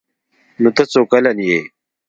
_نوته څو کلن يې؟